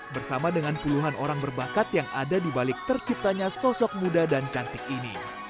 bersama dengan puluhan orang berbakat yang ada di balik terciptanya sosok muda dan cantik ini